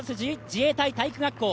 自衛隊体育学校。